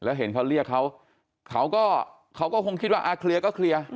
แล้วเห็นเขาเรียกเขาเขาก็คงคิดว่าเคลียร์ก็เคลียร์